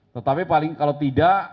tetapi paling kalau tidak